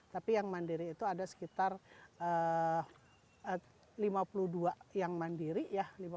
tapi yang mandiri itu ada sekitar lima puluh dua yang mandiri ya